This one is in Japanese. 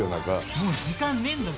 もう時間ねえんだぞ。